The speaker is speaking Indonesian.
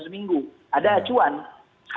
sekarang tidak ada acuan apa apa